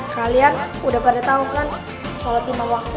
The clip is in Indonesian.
kalian udah pada tahu kan sholat lima waktu